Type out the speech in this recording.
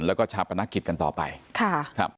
ตลอดทั้งคืนตลอดทั้งคืน